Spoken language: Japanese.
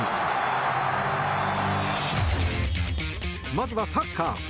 まずはサッカー。